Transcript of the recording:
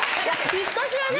引っ越しはね。